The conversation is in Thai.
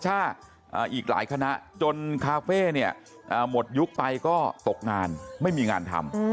ถ้าอีกหลายคณะจนคาเฟ่เนี่ยหมดยุคไปก็ตกงานไม่มีงานทำ